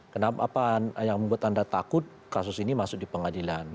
kenapa yang membuat anda takut kasus ini masuk di pengadilan